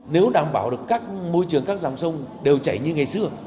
nếu đảm bảo được các môi trường các dòng sông đều chảy như ngày xưa